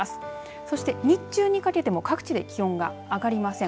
そして日中にかけても各地で気温が上がりません。